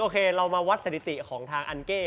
เรามาวัดสถิติของทางอันเก้